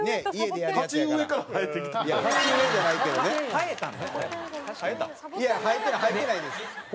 いや生えてない生えてないです。